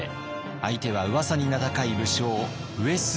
相手はうわさに名高い武将上杉謙信。